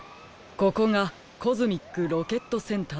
ここがコズミックロケットセンターですか。